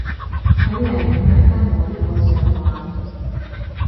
睇嚟唔係得我一個想搵